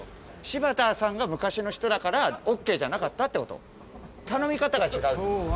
柴田さんが昔の人だからＯＫじゃなかったってこと頼み方が違う。